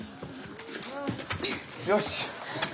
よし。